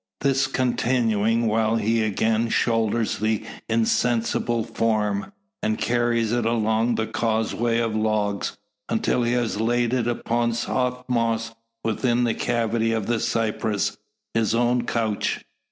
This continuing, while he again shoulders the insensible form, and carries it along the causeway of logs, until he has laid it upon soft moss within the cavity of the cypress his own couch.